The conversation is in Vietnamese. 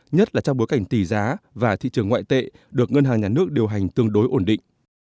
nhất là trong bối cảnh tỷ giá và thị trường ngoại tệ được ngân hàng nhà nước điều hành tương đối ổn định